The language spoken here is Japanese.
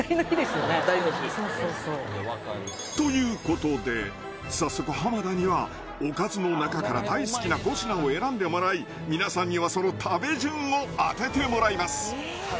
そうそうそうということで早速濱田にはおかずの中から大好きな５品を選んでもらい皆さんにはその食べ順を当ててもらいます